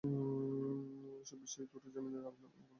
এসব বিষয় তুলে ধরে জামিনের আবেদন করা হলে আদালত জামিন মঞ্জুর করেন।